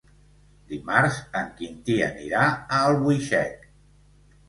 Dimarts en Quintí anirà a Albuixec.